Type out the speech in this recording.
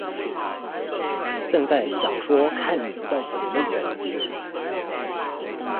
正在想說看你要怎麼圓